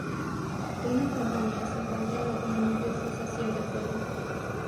Una compañía se encuentra en las líneas de cesación del fuego.